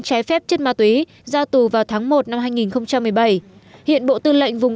trái phép chất ma túy ra tù vào tháng một năm hai nghìn một mươi bảy hiện bộ tư lệnh vùng